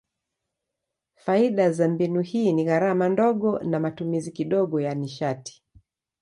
Faida za mbinu hii ni gharama ndogo na matumizi kidogo ya nishati.